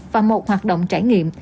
và một hoạt động trải nghiệm